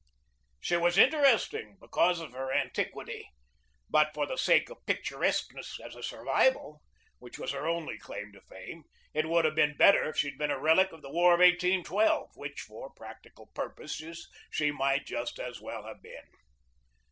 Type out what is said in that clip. She was interesting because of her antiquity; but for the sake of picturesqueness as a survival, which was her only claim to attention, it would have been better if she had been a relic of the War of 1812, which, for practical purposes, she might just as well have been.